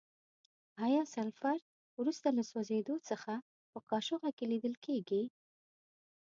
آیا سلفر وروسته له سوځیدو څخه په قاشوغه کې لیدل کیږي؟